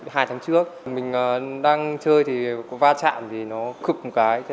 hai tháng trước mình đang chơi thì có va chạm thì nó cực một cái